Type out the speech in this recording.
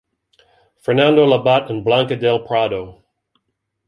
Fernando Labat and Blanca del Prado.